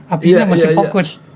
apinya masih fokus